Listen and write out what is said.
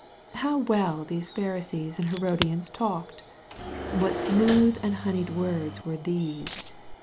How well these Pharisees and He rodians talked I What smooth and honeyed words were these